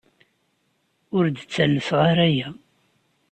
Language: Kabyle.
Ur d-ttalseɣ ara aya.